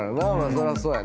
そらそうやな。